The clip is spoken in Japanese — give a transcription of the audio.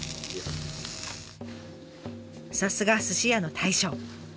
さすが寿司屋の大将。